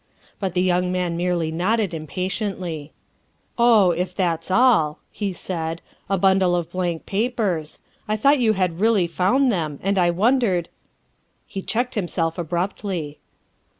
But the young man merely nodded impatiently. " Oh, if that's all," he said, " a bundle of blank papers. I thought you had really found them, and I wondered He checked himself abruptly.